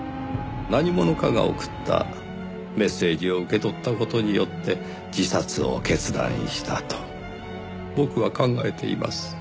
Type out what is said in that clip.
何者かが送ったメッセージを受け取った事によって自殺を決断したと僕は考えています。